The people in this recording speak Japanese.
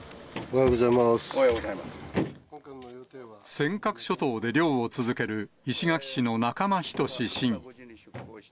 尖閣諸島で漁を続ける石垣市の仲間均市議。